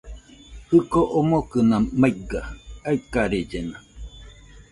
Jɨko omokɨna maiga, aikarellena